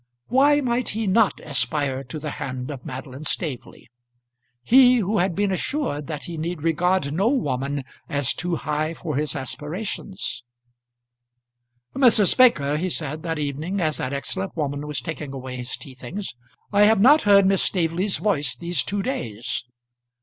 Why might he not aspire to the hand of Madeline Staveley, he who had been assured that he need regard no woman as too high for his aspirations? "Mrs. Baker," he said that evening, as that excellent woman was taking away his tea things, "I have not heard Miss Staveley's voice these two days."